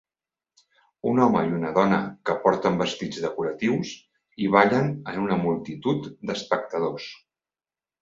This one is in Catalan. Un home i una dona que porten vestits decoratius i ballen en una multitud d'espectadors.